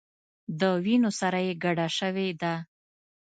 د وینو سره یې ګډه شوې ده.